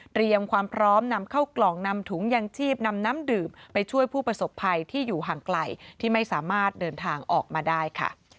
ความพร้อมนำเข้ากล่องนำถุงยังชีพนำน้ำดื่มไปช่วยผู้ประสบภัยที่อยู่ห่างไกลที่ไม่สามารถเดินทางออกมาได้ค่ะ